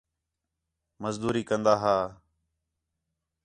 مزدوری کندا ھا